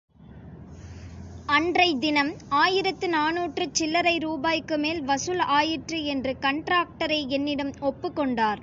அன்றைத் தினம் ஆயிரத்து நானூற்றுச் சில்லரை ரூபாய்க்குமேல்வசூல் ஆயிற்று என்று கண்டிராக்டரே என்னிடம் ஒப்புக்கொண்டார்.